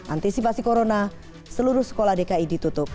antisipasi corona seluruh sekolah dki ditutup